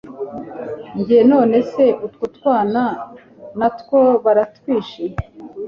njye nonese utwo twana natwo baratwishe!